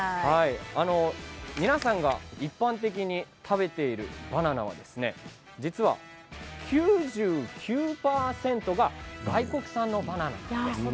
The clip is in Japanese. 皆さんが一般的に食べているバナナは実は９９％が外国産のバナナなんです。